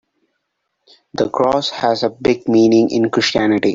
The cross has a big meaning in Christianity.